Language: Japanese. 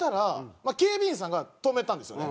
まあ警備員さんが止めたんですよね。